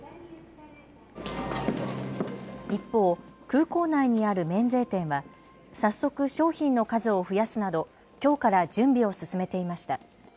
一方、空港内にある免税店は早速、商品の数を増やすなどきょうから準備を進めていました。